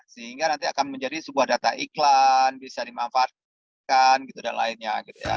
sehingga nanti akan menjadi sebuah data iklan bisa dimanfaatkan dan lainnya